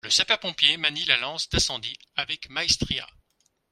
Le sapeur pompier manie la lance d'incendie avec maestria